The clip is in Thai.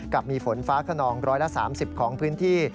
กับมีฝนฟ้าขนอง๑๓๐ของพื้นที่